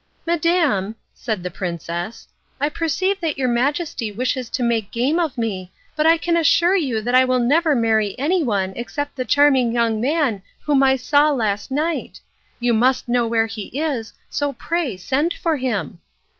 "Madam," said the princess, "I perceive that your Majesty wishes to make game of me, but I can assure you that I will never marry anyone except the charming young man whom I saw last night. You must know where he is, so pray send for him."